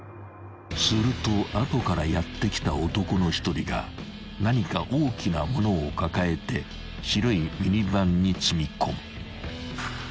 ［すると後からやって来た男の１人が何か大きな物を抱えて白いミニバンに積み込む］